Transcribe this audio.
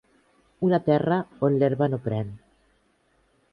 Una terra on l'herba no pren.